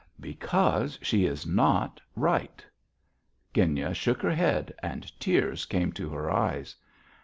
"Because she is not right." Genya shook her head and tears came to her eyes.